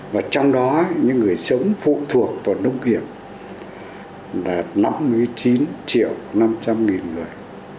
và trong đó những người sống phụ thuộc vào nông nghiệp là năm mươi chín triệu năm trăm linh nghìn người